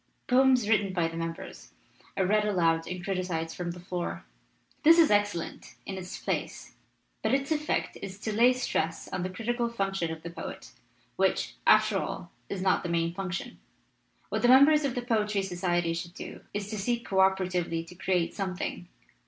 Poems written by the mem bers are read aloud and criticized from the floor. This is excellent, in its place, but its effect is to lay stress on the critical function of the poet, which, after all, is not his main function. What the members of the Poetry Society should do is to seek co operatively to create something.